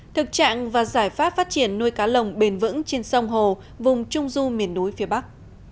thực trạng và giải pháp phát triển nuôi cá lồng bền vững trên sông hồ vùng trung du miền núi phía bắc